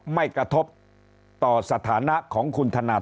ไม่กระทบต่อสถานะของคุณธนา